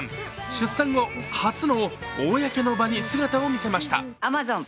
出産後、初の公の場に姿を見せました。